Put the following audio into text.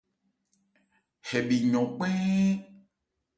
Hɛ bhi yɔn kpɛ́ɛ́n.